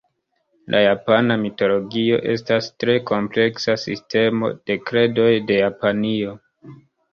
La japana mitologio estas tre kompleksa sistemo de kredoj de Japanio.